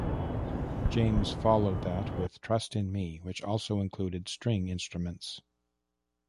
James followed that with "Trust in Me", which also included string instruments.